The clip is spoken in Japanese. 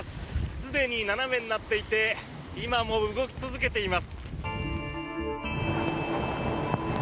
すでに斜めになっていて今も動き続けています。